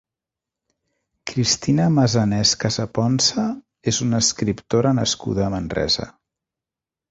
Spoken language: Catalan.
Cristina Masanés Casaponsa és una escriptora nascuda a Manresa.